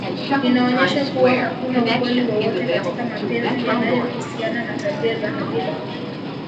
Inaonyesha kuwa hakuna ukweli wowote katika mapenzi yanayohusiana na tabia za kabila